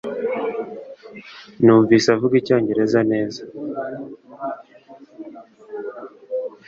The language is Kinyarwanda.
Numvise avuga icyongereza neza